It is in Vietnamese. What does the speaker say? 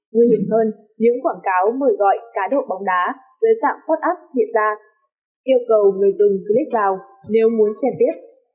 nguyên liệu hơn những quảng cáo mời gọi cá độ bóng đá dưới sạm podcast hiện ra yêu cầu người dân click vào nếu muốn xem tiếp